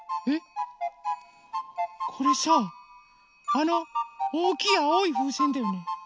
あのおおきいあおいふうせんだよね？